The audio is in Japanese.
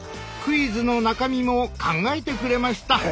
クイズの中身も考えてくれました。